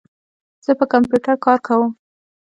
زه په کمپیوټر کار کوم.